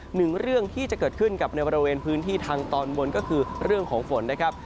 หนึ่งเรื่องที่จะเกิดขึ้นกับในบริเวณพื้นที่ทางตอนบนก็คือเรื่องของฝนนะครับ